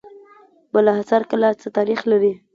بالاحصار کلا څه تاریخ لري؟